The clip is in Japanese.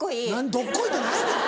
「どっこい」って何やねん！